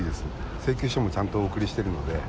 請求書もちゃんとお送りしてるので。